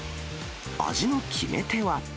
味の決め手は。